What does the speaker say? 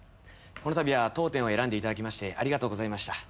このたびは当店を選んでいただきましてありがとうございました。